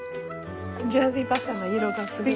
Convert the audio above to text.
ジャージーバターの色がすごい。